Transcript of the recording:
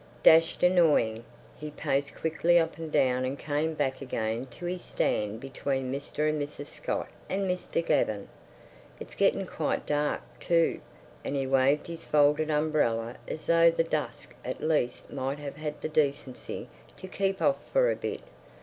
"Dashed annoying!" He paced quickly up and down and came back again to his stand between Mr. and Mrs. Scott and Mr. Gaven. "It's getting quite dark, too," and he waved his folded umbrella as though the dusk at least might have had the decency to keep off for a bit.